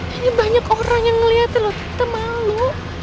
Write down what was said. ini banyak orang yang ngeliat elu tante malu